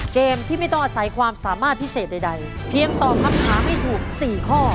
เกมที่ไม่ต้องอาศัยความสามารถพิเศษใดเพียงตอบคำถามให้ถูก๔ข้อ